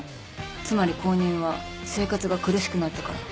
つまり購入は生活が苦しくなってから。